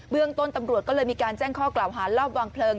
เรื่องต้นตำรวจก็เลยมีการแจ้งข้อกล่าวหารอบวางเพลิง